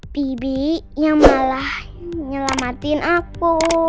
bibi yang malah nyelamatin aku